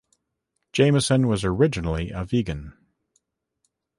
Jamieson was originally a vegan.